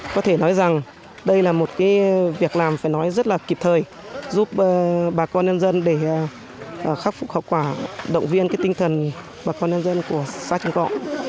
có thể nói rằng đây là một việc làm phải nói rất là kịp thời giúp bà con nhân dân để khắc phục khẩu quả động viên tinh thần bà con nhân dân của xã trần cọ